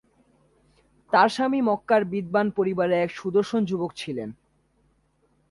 তার স্বামী মক্কার বিত্তবান পরিবারের এক সুদর্শন যুবক ছিলেন।